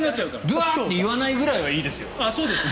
ドゥア！って言わないぐらいはいいですよ。